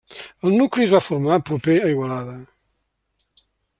El nucli es va formar proper a Igualada.